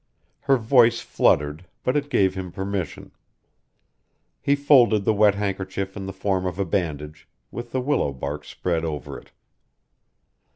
Her voice fluttered, but it gave him permission. He folded the wet handkerchief in the form of a bandage, with the willow bark spread over it.